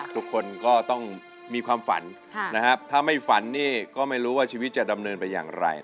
ทุกคนก็ต้องมีความฝันนะครับถ้าไม่ฝันนี่ก็ไม่รู้ว่าชีวิตจะดำเนินไปอย่างไร